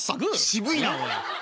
渋いなおい。